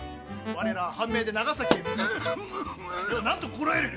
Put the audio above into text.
我らは藩命で長崎へ向かう途中それを何と心得る！